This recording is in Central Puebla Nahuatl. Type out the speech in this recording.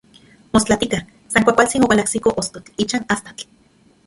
Mostlatika, san kualkantsin oualajsiko ostotl ichan astatl.